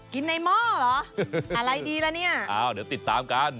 กินในหม้อเหรออะไรดีล่ะเนี่ยอ้าวเดี๋ยวติดตามกัน